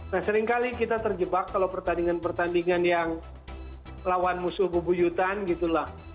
nah seringkali kita terjebak kalau pertandingan pertandingan yang lawan musuh bebuyutan gitu lah